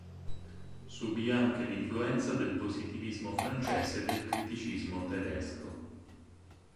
Subì, anche, l'influenza del positivismo francese e del criticismo tedesco.